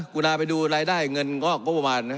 กุณาไปดูรายได้เงินงอกประมาณ